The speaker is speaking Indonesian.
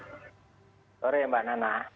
selamat sore mbak nana